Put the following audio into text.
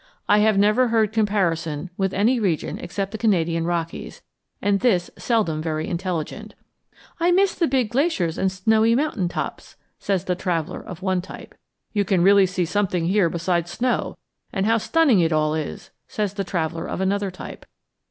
I have never heard comparison with any region except the Canadian Rockies, and this seldom very intelligent. "I miss the big glaciers and snowy mountain tops," says the traveller of one type. "You can really see something here besides snow, and how stunning it all is!" says the traveller of another type.